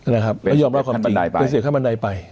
และยอมรอบความจริงเป็นเสียขั้นบันไดไป